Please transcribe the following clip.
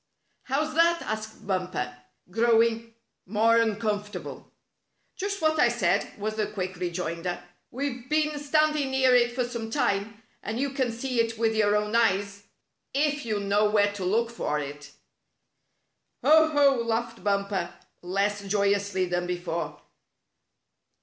"How's that?" asked Bumper, growing more uncomfortable. "Just what I said," was the quick rejoinder. " We've been standing near it for some time, and you can see it with your own eyes — if you know where to look for it." 84 Spotted Tail Shows Enmity "Oh I Ho!" laughed Bumper, less joyously than before.